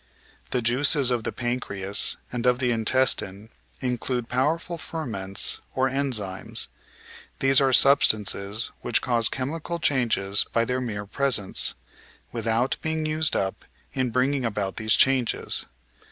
The juices of the pancreas and of the intestine include powerful ferments, or enzymes. These are substances which cause chemical changes by their mere presence, without being tised up in bringing about these changes.